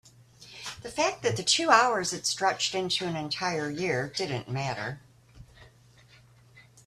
the fact that the two hours had stretched into an entire year didn't matter.